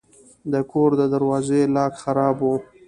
د کور د دروازې لاک خراب و.